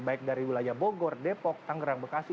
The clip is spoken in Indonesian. baik dari wilayah bogor depok tanggerang bekasi